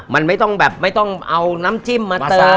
มันไม่ต้องแบบไม่ต้องเอาน้ำจิ้มมาเติม